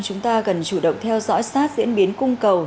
chúng ta cần chủ động theo dõi sát diễn biến cung cầu